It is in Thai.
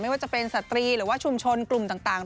ว่าจะเป็นสตรีหรือว่าชุมชนกลุ่มต่าง